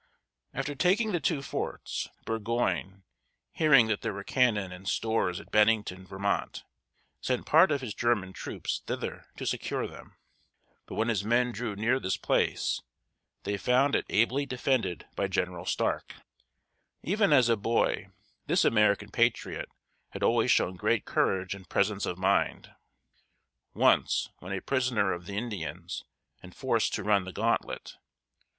After taking the two forts, Burgoyne, hearing that there were cannon and stores at Ben´ning ton, Vermont, sent part of his German troops thither to secure them. But when his men drew near this place, they found it ably defended by General Stark. Even as a boy, this American patriot had always shown great courage and presence of mind. Once, when a prisoner of the Indians, and forced to run the gantlet.